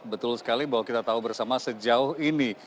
betul sekali bahwa kita tahu bersama sejauh ini